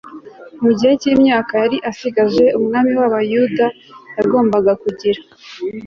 mu gihe cy'imyaka yari asigaje, umwami w'ubuyuda yagombaga kugira